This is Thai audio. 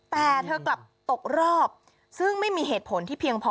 แต่เธอกลับตกรอบซึ่งไม่มีเหตุผลที่เพียงพอ